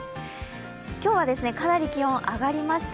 今日はかなり気温、上がりました。